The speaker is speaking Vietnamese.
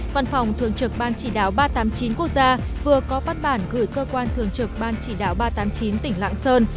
văn phòng thường trực ban chỉ đạo ba trăm tám mươi chín quốc gia vừa có văn bản gửi cơ quan thường trực ban chỉ đạo ba trăm tám mươi chín tỉnh lạng sơn